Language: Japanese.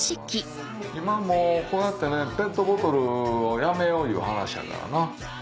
今もうこうやってねペットボトルをやめよういう話やからな。